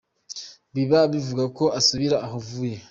biba bivuga ko usubira aho uvuye.